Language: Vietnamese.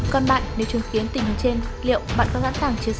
còn bạn nếu chứng kiến tình hình trên liệu bạn có sẵn sàng chia sẻ